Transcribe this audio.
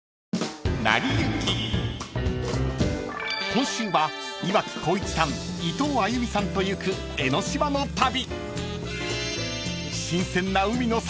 ［今週は岩城滉一さん伊藤歩さんと行く江の島の旅］